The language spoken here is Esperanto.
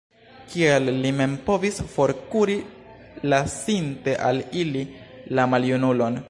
Kiel li mem povis forkuri, lasinte al ili la maljunulon?